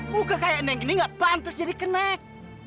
buka kayak neng ini gak pantas jadi kenak